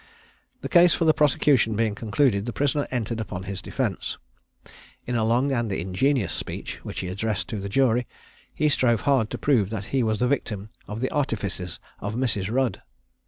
The case for the prosecution being concluded, the prisoner entered upon his defence. In a long and ingenious speech, which he addressed to the jury, he strove hard to prove that he was the victim of the artifices of Mrs. Rudd.